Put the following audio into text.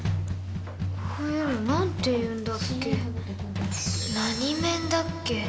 こういうの何ていうんだっけ？